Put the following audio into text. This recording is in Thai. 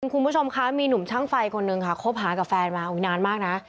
คุณผู้ชมคะมีหนุ่มช่างไฟคนนึงค่ะคบหากับแฟนมานานมากนะ